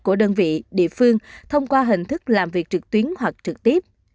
của đơn vị địa phương thông qua hình thức làm việc trực tuyến hoặc trực tiếp